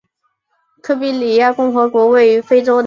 利比里亚共和国位于非洲西海岸。